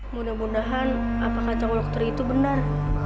mudah mudahan apakah canggolok teri itu benar